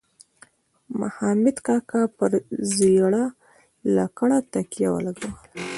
مخامد کاکا پر زیړه لکړه تکیه ولګوه.